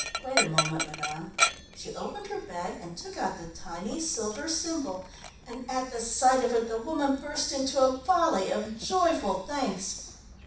"Wait a moment, madame." She opened her bag and took out the tiny silver symbol, and at the sight of it the woman burst into a volley of joyful thanks.